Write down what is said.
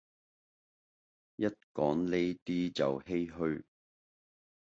一講呢啲就唏噓